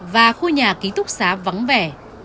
và khu nhà ký túc xá vắng vẻ